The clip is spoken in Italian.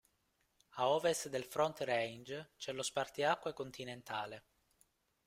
A ovest del "Front Range" c'è lo spartiacque continentale.